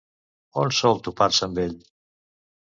On sol topar-se amb ell?